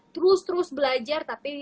terus terus belajar tapi